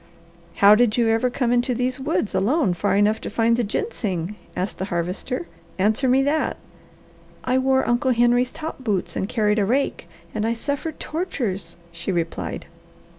"How did you ever come into these woods alone far enough to find the ginseng?" asked the Harvester. "Answer me that!" "I wore Uncle Henry's top boots and carried a rake, and I suffered tortures," she replied.